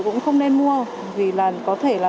cũng không nên mua vì là có thể là